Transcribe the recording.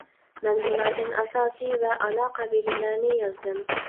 مەن بۇلاردىن ئاساسىي ۋە ئانا قەبىلىلەرنى يازدىم.